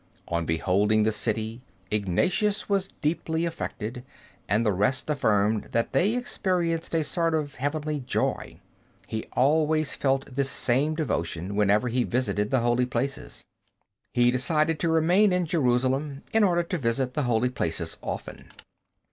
On beholding the city, Ignatius was deeply affected, and the rest affirmed that they experienced a sort of heavenly joy. He always felt this same devotion whenever he visited the holy places. He decided to remain in Jerusalem, in order to visit the holy places often.